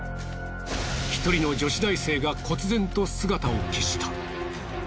１人の女子大生がこつ然と姿を消した。